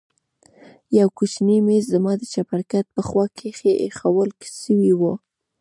يو کوچنى ميز زما د چپرکټ په خوا کښې ايښوول سوى و.